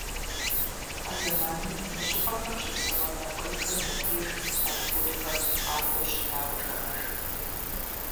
А зэманым мы щӀыпӀэхэм щыпсэуа нэгъуейхэм я деж монголхэр къакӀуэу щытауэ жаӀэж.